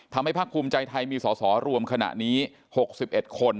ทำให้ภักข์ภูมิใจไทยมีส่อรวมขณะนี้๖๑คน